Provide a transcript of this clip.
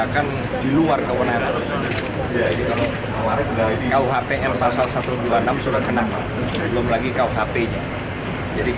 karena memang itu sudah sangat berhenti